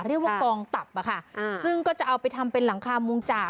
เรียกว่ากองตับอะค่ะซึ่งก็จะเอาไปทำเป็นหลังคามุงจาก